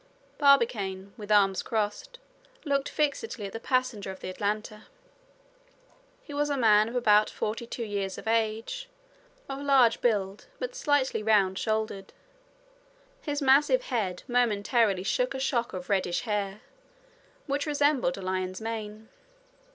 Barbicane, with arms crossed, looked fixedly at the passenger of the Atlanta. He was a man of about forty two years of age, of large build, but slightly round shouldered. His massive head momentarily shook a shock of reddish hair, which resembled a lion's mane.